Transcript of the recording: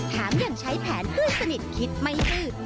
ถามอย่างใช้แผนเพื่อนสนิทคิดไม่คือ